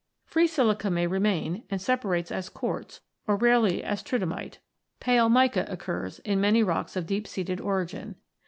Free silica may remain, and separates as quartz, or rarely as tridymite. Pale mica occurs in many rocks of deep seated origin.